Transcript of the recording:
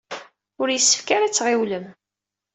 Ur yessefk ara ad tɣiwlem.